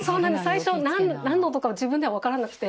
最初なんの音か自分ではわからなくて。